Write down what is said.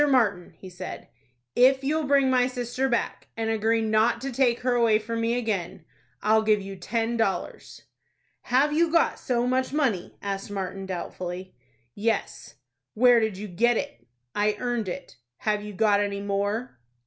Martin," he said, "if you'll bring my sister back, and agree not to take her away from me again, I'll give you ten dollars." "Have you got so much money?" asked Martin, doubtfully. "Yes." "Where did you get it?" "I earned it." "Have you got any more?"